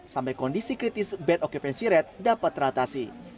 sampai kondisi kritis bed okupansi red dapat teratasi